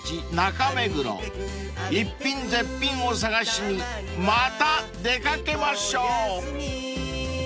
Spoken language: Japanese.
［逸品絶品を探しにまた出掛けましょう］